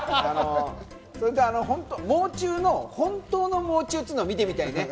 それと、もう中の本当のもう中っていうのを見てみたいね。